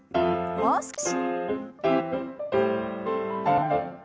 もう少し。